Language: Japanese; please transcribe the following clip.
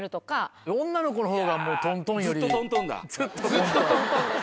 ずっとトントンです。